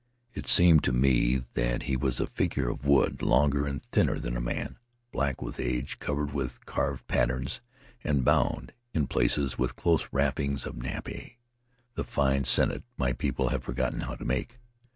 It seemed to me that he was a figure of wood, longer and thinner than a man, black with age, covered with carved patterns, and bound, in places, with close wrappings of nape — the fine sennit my people have forgotten how to make.